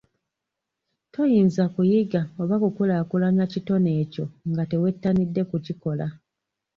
Toyinza kuyiga oba kukulaakulanya kitone ekyo nga tewettanidde kukikola.